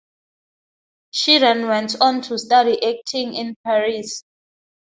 She then went on to study acting in Paris.